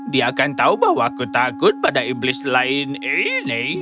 dia akan tahu bahwa aku takut pada iblis lain ini